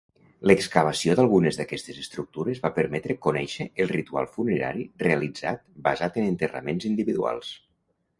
L’excavació d’algunes d’aquestes estructures va permetre conèixer el ritual funerari realitzat basat en enterraments individuals.